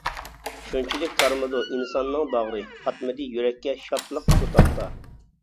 شۇنچىلىك تارمىدۇ ئىنساننىڭ باغرى، پاتمىدى يۈرەككە شادلىق شۇ تاپتا.